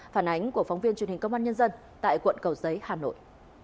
phản ánh của phóng viên truyền hình công an nhân dân tại quận cầu giấy hà nội